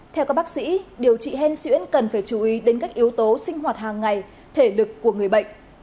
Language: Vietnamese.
theo các bác sĩ điều trị hen xuyễn cần phải chú ý đến các yếu tố sinh hoạt hàng ngày thể lực của người bệnh